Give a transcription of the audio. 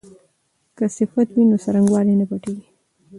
که صفت وي نو څرنګوالی نه پټیږي.